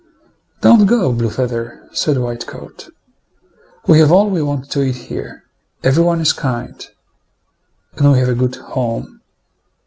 "Don't go, Blue feather," said White coat. "We have all we want to eat here, everyone is kind, and we have a good home.